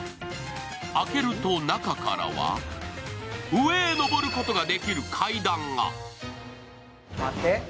開けると中からは上へ上ることができる階段が。